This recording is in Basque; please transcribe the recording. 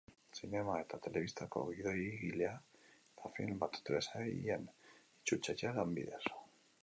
Zinema eta telebistako gidoigilea, eta film eta telesailen itzultzailea, lanbidez.